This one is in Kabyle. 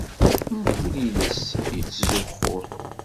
Mkul iles ittzuxxun.